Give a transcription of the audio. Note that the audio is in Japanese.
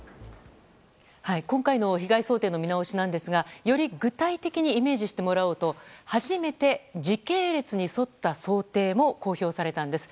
今回の被害想定の見直しですがより具体的にイメージしてもらおうと初めて時系列に沿った想定も公表されたんです。